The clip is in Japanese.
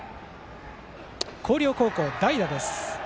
広陵高校は代打です。